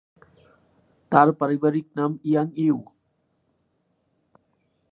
তার পারিবারিক নাম ইয়াং ইউ।